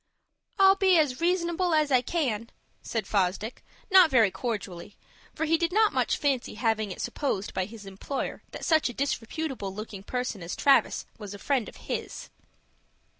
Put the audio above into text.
"I'll be as reasonable as I can," said Fosdick, not very cordially; for he did not much fancy having it supposed by his employer that such a disreputable looking person as Travis was a friend of his.